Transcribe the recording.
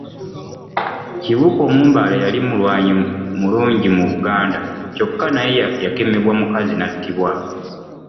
Kibuuka Omumbaale yali mulwanyi mulungi mu Buganda kyokka naye yakemebwa mukazi nattibwa.